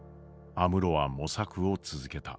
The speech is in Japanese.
安室は模索を続けた。